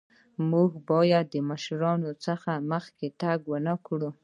مونږ باید د مشرانو څخه مخکې تګ ونکړو.